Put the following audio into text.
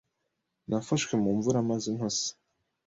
Nafashwe mu mvura maze ntose.